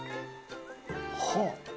「はあ！」